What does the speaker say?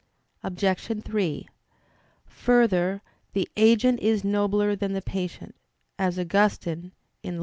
Obj. 3: Further, the "agent is nobler than the patient," as Augustine (Gen. ad lit.